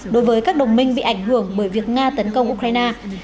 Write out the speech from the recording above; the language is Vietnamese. đối với các đồng minh bị ảnh hưởng bởi việc nga tấn công ukraine